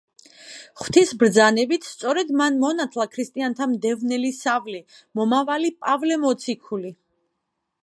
ღვთის ბრძანებით, სწორედ მან მონათლა ქრისტიანთა მდევნელი სავლე, მომავალი პავლე მოციქული.